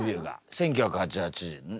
１９８８年ねっ。